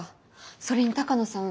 それに鷹野さん